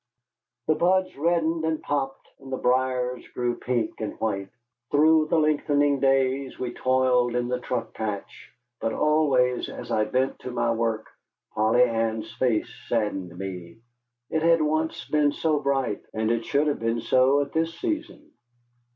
The buds reddened and popped, and the briers grew pink and white. Through the lengthening days we toiled in the truck patch, but always as I bent to my work Polly Ann's face saddened me it had once been so bright, and it should have been so at this season.